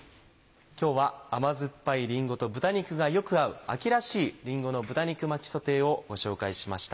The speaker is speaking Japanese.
今日は甘酸っぱいりんごと豚肉がよく合う秋らしい「りんごの豚肉巻きソテー」をご紹介しました。